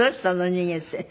逃げて。